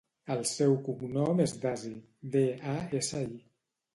El seu cognom és Dasi: de, a, essa, i.